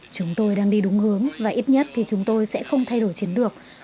chúng tôi đang đi đúng hướng và ít nhất thì chúng tôi sẽ không thay đổi chiến lược